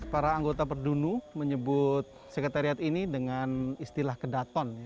para anggota perdunu menyebut sekretariat ini dengan istilah kedaton